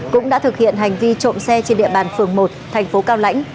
cũng đã thực hiện hành vi trộm xe trên địa bàn phường một thành phố cao lãnh